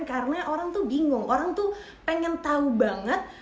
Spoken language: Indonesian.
karena orang tuh bingung orang tuh pengen tau banget